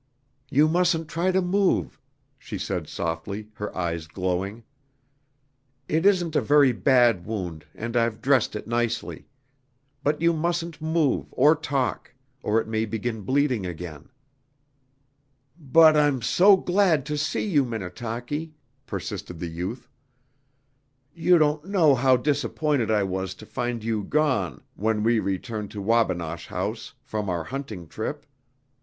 "You mustn't try to move," she said softly, her eyes glowing. "It isn't a very bad wound, and I've dressed it nicely. But you mustn't move or talk or it may begin bleeding again." "But I'm so glad to see you, Minnetaki," persisted the youth. "You don't know how disappointed I was to find you gone when we returned to Wabinosh House from our hunting trip.